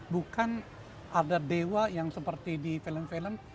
bukan ada dewa yang seperti di film film